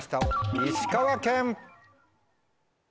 石川県。